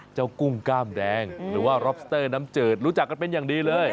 กุ้งกล้ามแดงหรือว่ารอปสเตอร์น้ำจืดรู้จักกันเป็นอย่างดีเลย